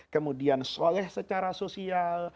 kemudian soleh secara sosial